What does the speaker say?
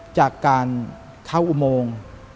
จากการเข้าอุโมง